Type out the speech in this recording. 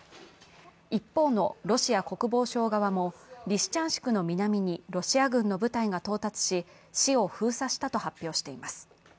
一方のロシア国防省側もリシチャンシクの南にロシア軍の部隊が到達し、市を封鎖したと発表しています。